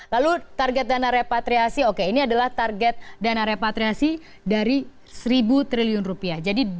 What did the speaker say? lalu target dana repatriasi oke ini adalah target dana repatriasi dari seribu triliun rupiah